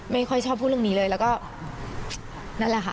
ไม่ค่อยชอบพูดเรื่องนี้เลยแล้วก็นั่นแหละค่ะ